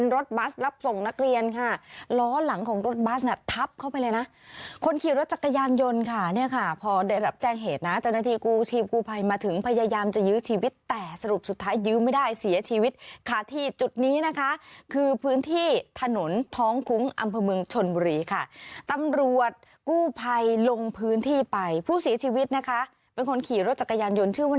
รถบัสรับส่งนักเรียนค่ะล้อหลังของรถบัสน่ะทับเข้าไปเลยนะคนขี่รถจักรยานยนต์ค่ะเนี่ยค่ะพอได้รับแจ้งเหตุนะเจ้าหน้าที่กู้ชีพกู้ภัยมาถึงพยายามจะยื้อชีวิตแต่สรุปสุดท้ายยื้อไม่ได้เสียชีวิตค่ะที่จุดนี้นะคะคือพื้นที่ถนนท้องคุ้งอำเภอเมืองชนบุรีค่ะตำรวจกู้ภัยลงพื้นที่ไปผู้เสียชีวิตนะคะเป็นคนขี่รถจักรยานยนต์ชื่อว่า